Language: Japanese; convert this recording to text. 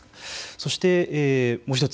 そして、もう一つ。